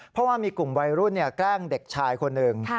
เพราะว่ามีกลุ่มวัยรุ่นแกล้งเด็กชายคนหนึ่ง